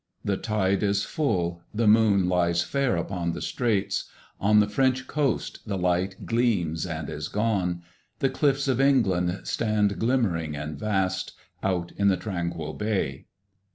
The tide is full, the moon lies fair Upon the straits; on the French coast the light Gleams and is gone; the cliffs of England stand, Glimmering and vast, out in the tranquil bay.